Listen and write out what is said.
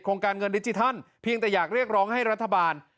การเงินดิจิทัลเพียงแต่อยากเรียกร้องให้รัฐบาล